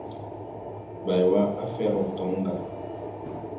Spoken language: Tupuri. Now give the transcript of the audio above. Baywa, a fer wo toŋ ga.